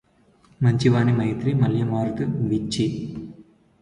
మంచి వాని మైత్రి మలయమారుత వీచి